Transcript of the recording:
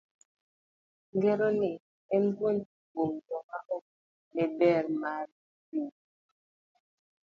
Ng'ero ni en puonj kuom joma ok ne ber mar riwruok.